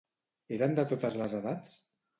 Eren de totes les edats?